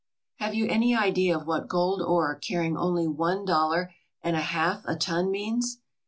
Have you any idea of what gold ore carrying only one dollar and a half a ton means?